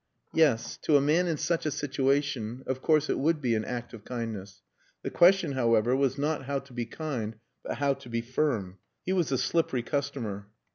Yes, to a man in such a situation of course it would be an act of kindness. The question, however, was not how to be kind, but how to be firm. He was a slippery customer.